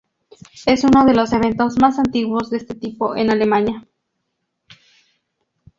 Es uno de los eventos más antiguos de este tipo en Alemania.